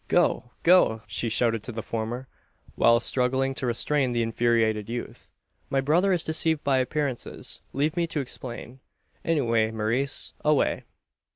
"Go, go!" she shouted to the former, while struggling to restrain the infuriated youth. "My brother is deceived by appearances. Leave me to explain. Away, Maurice! away!"